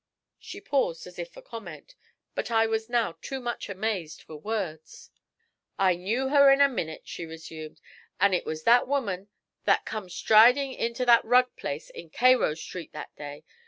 She paused as if for comment, but I was now too much amazed for words. 'I knew her in a minit,' she resumed, 'an' it was that woman that come stridin' into that rug place in Cayrow Street that day.